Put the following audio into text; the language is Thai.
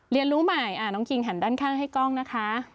เรียนรู้ใหม่น้องคิงหันด้านข้างให้กล้องนะคะ